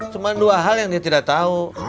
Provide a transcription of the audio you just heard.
cuma dua hal yang dia tidak tahu